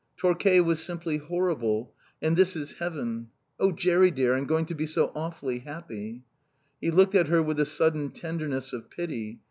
"Torquay was simply horrible. And this is heaven. Oh, Jerry dear, I'm going to be so awfully happy." He looked at her with a sudden tenderness of pity.